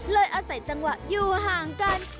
อาศัยจังหวะอยู่ห่างกัน